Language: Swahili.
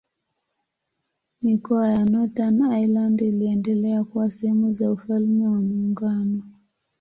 Mikoa ya Northern Ireland iliendelea kuwa sehemu za Ufalme wa Muungano.